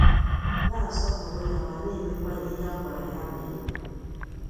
na-asọpụrụ ya ma na emekwa ihe a gwara ya mee